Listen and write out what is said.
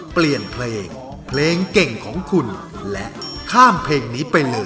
เปลี่ยนเพลงเพลงเก่งของคุณและข้ามเพลงนี้ไปเลย